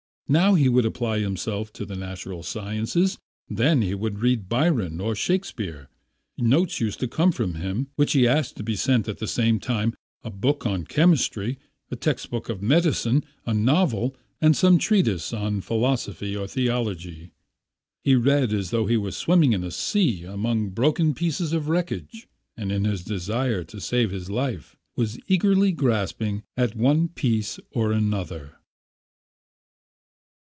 Now he would apply himself to the natural sciences, then he would read Byron or Shakespeare. Notes used to come from him in which he asked to be sent at the same time a book on chemistry, a text book of medicine, a novel, and some treatise on philosophy or theology. He read as though he were swimming in the sea among broken pieces of wreckage, and in his desire to save his life was eagerly grasping one piece after another.